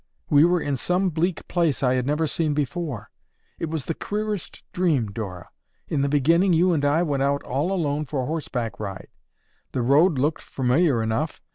We were in some bleak place I had never seen before. It was the queerest dream, Dora. In the beginning you and I went out all alone for a horseback ride. The road looked familiar enough.